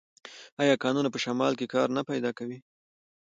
آیا کانونه په شمال کې کار نه پیدا کوي؟